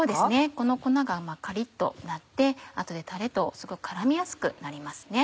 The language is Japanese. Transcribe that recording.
この粉がカリっとなって後でタレとすごく絡みやすくなりますね。